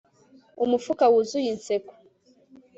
Umufuka wuzuye inseko